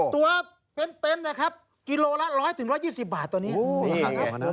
ตัวเป็นนะครับกิโลละร้อยถึงร้อยยี่สิบบาทตอนนี้